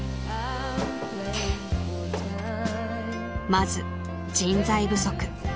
［まず人材不足］